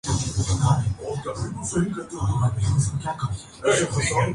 اب بھی ایسا ہوتا ہے لیکن مخصوص مقامات پہ۔